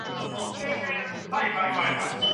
自古以來從來冇落後過